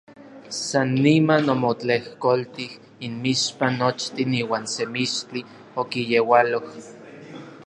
San niman omotlejkoltij inmixpan nochtin iuan se mixtli okiyeualoj.